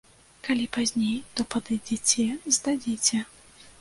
Калі пазней, то падыдзеце, здадзіце.